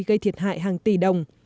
gây thiệt hại hàng tỷ đồng